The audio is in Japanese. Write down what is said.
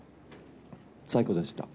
最高でした。